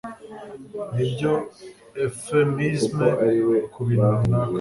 nibyo euphemisme kubintu runaka